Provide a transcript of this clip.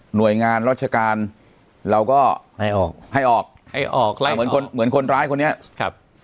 หน่วยงานราชการเราก็ให้ออกให้ออกให้ออกไล่เหมือนคนเหมือนคนร้ายคนนี้ครับ